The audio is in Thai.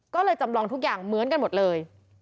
ก็เลยจำลองทุกอย่างเหมือนกันหมดเลย